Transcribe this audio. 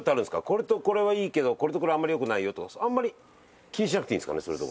これとこれはいいけどこれとこれはあんまりよくないよとかあんまり気にしなくていいんですかね？